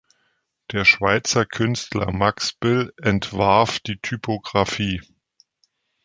Der Schweizer Künstler Max Bill entwarf die Typografie.